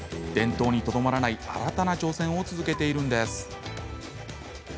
伝統にとどまらない新たな挑戦を続けているんです。